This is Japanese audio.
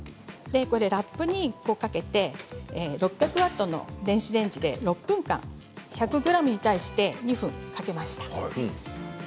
ラップをかけて６００ワットの電子レンジで６分間１００ｇに対して２分かけました。